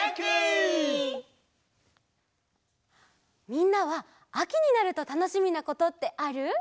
みんなはあきになるとたのしみなことってある？